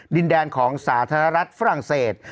ดินแดนของสาธารณรัฐฝรั่งเศส